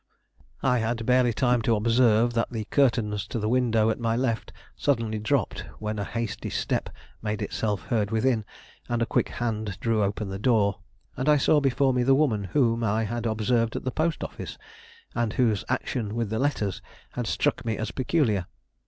I had barely time to observe that the curtains to the window at my left suddenly dropped, when a hasty step made itself heard within, and a quick hand drew open the door; and I saw before me the woman whom I had observed at the post office, and whose action with the letters had struck me as peculiar.